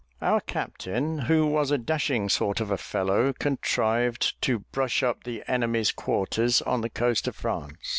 Our captain, who was a dashing sort of a fellow, contrived to brush up the enemy's quarters, on the coast of France.